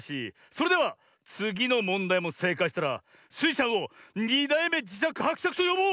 それではつぎのもんだいもせいかいしたらスイちゃんを「２だいめじしゃくはくしゃく」とよぼう！